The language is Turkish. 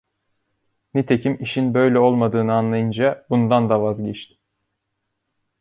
Nitekim işin böyle olmadığını anlayınca bundan da vazgeçtim.